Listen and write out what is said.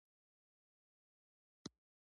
د چرګانو ښه ساتنه د شیدو کیفیت تضمینوي.